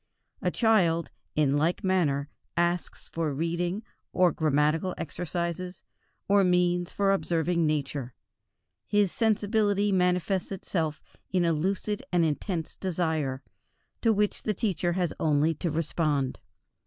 A child, in like manner, asks for reading, or grammatical exercises, or means for observing Nature. His sensibility manifests itself in a lucid and intense desire, to which the teacher has only to respond.